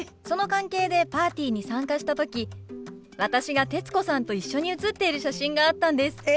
その関係でパーティーに参加した時私が徹子さんと一緒に写っている写真があったんです。